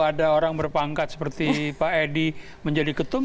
ada orang berpangkat seperti pak edi menjadi ketum